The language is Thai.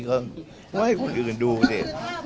ไว้ให้คนอื่นดูสิ